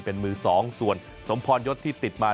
เป็นมือสองส่วนสมพรยศที่ติดมา